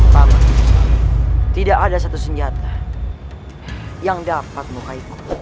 kamu tidak ada satu senjata yang dapat membuka itu